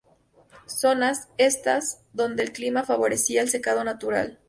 Zonas, estas, donde el clima favorecía el secado natural.